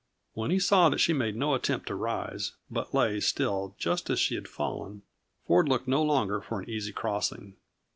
When he saw that she made no attempt to rise, but lay still just as she had fallen, Ford looked no longer for an easy crossing.